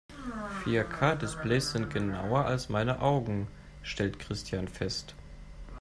Vier-K-Displays sind genauer als meine Augen, stellt Christian fest.